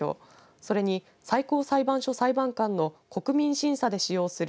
それに最高裁判所裁判官の国民審査で使用する